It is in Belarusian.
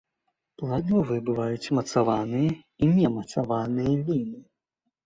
Пладовыя бываюць мацаваныя і немацаваныя віны.